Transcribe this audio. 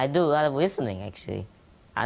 dan saya juga mendengar banyak